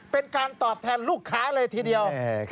เป็นการตอบแทนลูกค้าเลยทีเดียว